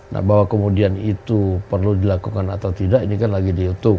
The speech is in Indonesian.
nah bahwa kemudian itu perlu dilakukan atau tidak ini kan lagi dihitung